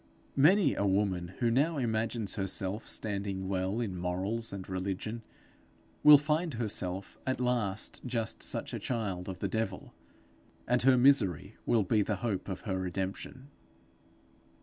Many a woman who now imagines herself standing well in morals and religion, will find herself at last just such a child of the devil; and her misery will be the hope of her redemption.